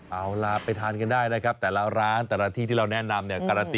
เอาล่ะไปทานกันได้นะครับแต่ละร้านแต่ละที่ที่เราแนะนำเนี่ยปกติ